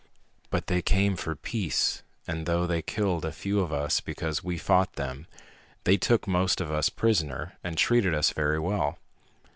But they came for peace, and though they killed a few of us because we fought them, they took most of us prisoner and treated us very well.